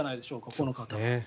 この方は。